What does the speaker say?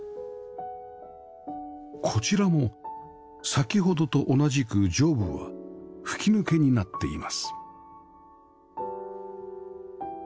こちらも先ほどと同じく上部は吹き抜けになっています